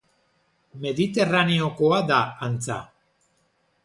Mediterraneokoa da, antza.